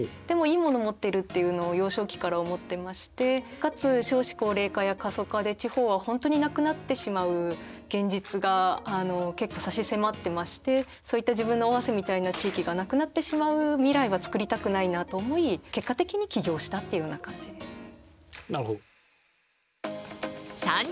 でもいいものを持ってるっていうのを幼少期から思ってましてかつ少子高齢化や過疎化で地方は本当になくなってしまう現実が結構差しせまってましてそういった自分の尾鷲みたいな地域がなくなってしまう未来は作りたくないなと思い結果的に起業したっていうような感じです。